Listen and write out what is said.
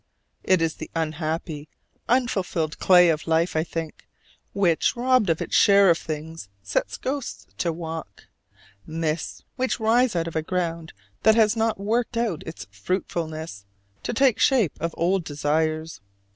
It is the unhappy unfulfilled clay of life, I think, which robbed of its share of things set ghosts to walk: mists which rise out of a ground that has not worked out its fruitfulness, to take the shape of old desires.